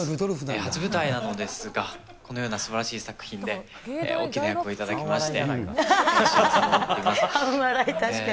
初舞台なのですが、このようなすばらしい作品で、大きな役を頂きまして。